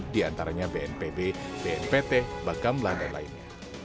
diantaranya bnpb bnpt bakamla dan lainnya